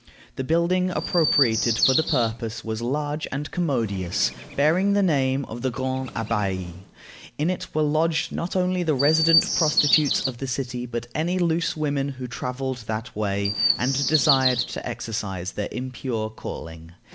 The building appropriated for the purpose was large and commodious, bearing the name of the Grand Abbaye. In it were lodged not only the resident prostitutes of the city, but any loose women who traveled that way, and desired to exercise their impure calling.